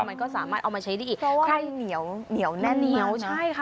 มันก็สามารถเอามาใช้ได้อีกเพราะว่าเหนียวแน่นมากมันเหนียวใช่ค่ะ